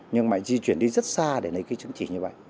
nhưng mà di chuyển đi rất xa để lấy cái chứng chỉ như vậy